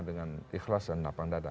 dengan ikhlas dan napang dada